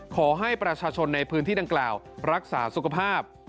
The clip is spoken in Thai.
ขอให้ประชาชนในพื้นที่ดังกล่าวรักษาสุขภาพ